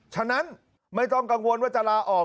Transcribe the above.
ฉะนั้นไม่ต้องกังวลว่าจะลาออก